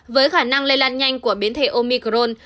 với khả năng lây lan nhanh của biến thể omicron